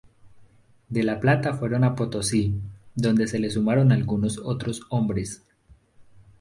De La Plata fueron a Potosí, donde se le sumaron algunos otros hombres.